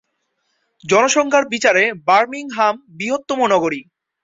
জনসংখ্যার বিচারে বার্মিংহাম বৃহত্তম নগরী।